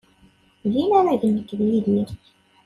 D inaragen nekk d Yidir.